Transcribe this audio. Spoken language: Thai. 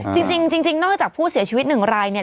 จริงนอกจากผู้เสียชีวิตหนึ่งรายเนี่ย